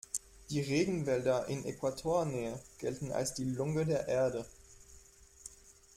Die Regenwälder in Äquatornähe gelten als die Lunge der Erde.